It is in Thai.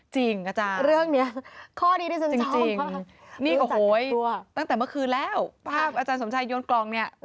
จริงอาจารย์จริงจริงนี่โอ้โฮยตั้งแต่เมื่อคืนแล้วอาจารย์สมชัยโยนกล่องเนี่ย